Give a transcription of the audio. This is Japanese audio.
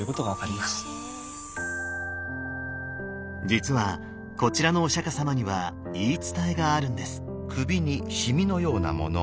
実はこちらのお釈様には言い伝えがあるんです。